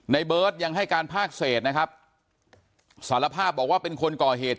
เบิร์ตยังให้การภาคเศษนะครับสารภาพบอกว่าเป็นคนก่อเหตุ